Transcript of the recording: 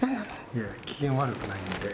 いやいや機嫌悪くないんで。